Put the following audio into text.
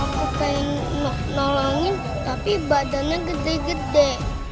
aku pengen nolongin tapi badannya gede gede